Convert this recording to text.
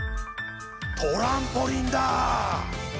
トランポリンだ！